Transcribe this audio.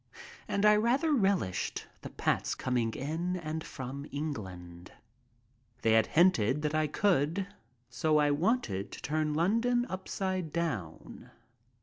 And I rather relished the pats coming in and from England. They had hinted that I could, so I wanted to turn London upside down.